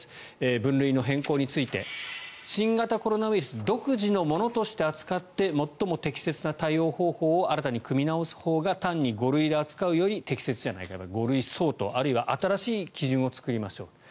分類の変更について新型コロナウイルス独自のものとして扱って最も適切な対応方法を新たに組み直すほうが単に５類で扱うより適切じゃないか５類相当あるいは新しい基準を作りましょう。